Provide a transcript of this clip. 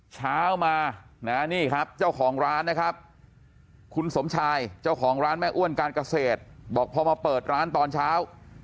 เช้ามานะนี่ครับเจ้าของร้านนะครับคุณสมชายเจ้าของร้านแม่อ้วนการเกษตรบอกพอมาเปิดร้านตอนเช้า